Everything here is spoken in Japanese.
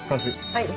はい。